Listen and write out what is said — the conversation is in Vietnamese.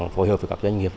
phối hợp với các doanh nghiệp